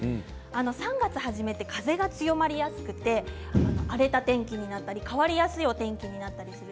３月初めは風が強まりやすくて荒れたお天気になったり変わりやすいお天気になったりする。